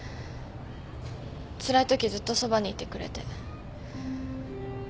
つらいときずっとそばにいてくれて。